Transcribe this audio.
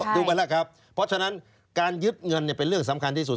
ถูกไหมล่ะครับเพราะฉะนั้นการยึดเงินเป็นเรื่องสำคัญที่สุด